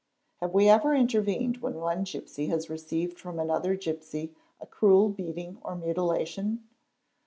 Have we ever intervened when one gipsy has received from another gipsy a cruel beating or mutilation?